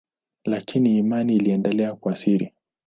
Lakini imani iliendelea kwa siri.